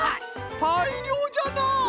たいりょうじゃな！